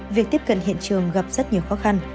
việc tiếp cận hiện trường gặp rất nhiều khó khăn